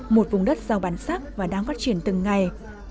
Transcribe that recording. một vùng đất giàu bản sắc và đang phát triển từng ngày